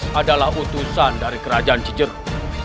bagaimana keadaan kerajaan di rontang